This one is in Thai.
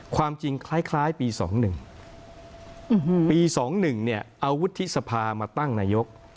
ความจริงคล้ายปี๒๑ปี๒๑เนี่ยเอาวุฒิสภามาตั้งนายก